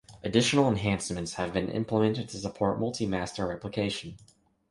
Additional enhancements have been implemented to support multi-master replication.